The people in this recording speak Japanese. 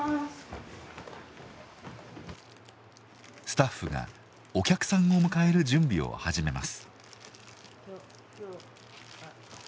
スタッフがお客さんを迎える準備を始めます。